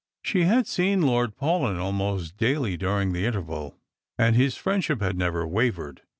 She had seen Lord Paulyn almost daily during the interval, and his friendship had never wavered.